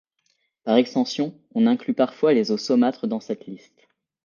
Par extension on inclut parfois les eaux saumâtres dans cette liste.